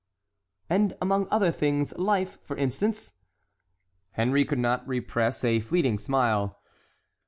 "And among other things life, for instance!" Henry could not repress a fleeting smile.